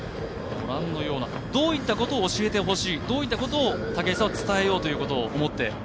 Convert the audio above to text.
どういったことを教えてほしい、どういったことを武井さんは伝えようと思って？